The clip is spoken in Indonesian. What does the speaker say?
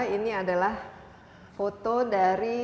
ini adalah foto dari